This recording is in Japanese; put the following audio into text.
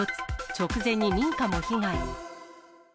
直前に民家も被害。